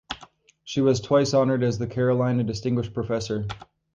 She was twice honored as the Carolina Distinguished Professor.